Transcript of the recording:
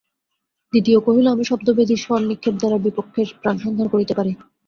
দ্বিতীয় কহিল আমি শব্দবেধী শর নিক্ষেপ দ্বারা বিপক্ষের প্রাণসংহার করিতে পারি।